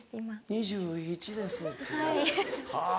「２１歳です」っていうはぁ。